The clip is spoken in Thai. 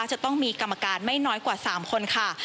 จะต้องมีกรรมการไม่น้อยกว่า๓คนค่ะ